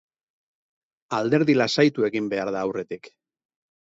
Alderdi lasaitu egin behar da aurretik.